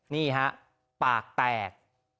นี่ฮะปากแตก